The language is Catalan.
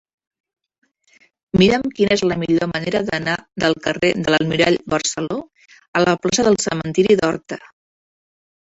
Mira'm quina és la millor manera d'anar del carrer de l'Almirall Barceló a la plaça del Cementiri d'Horta.